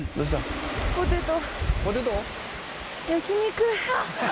「ポテト？」